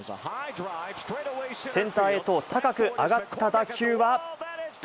センターへと高く上がった打球は。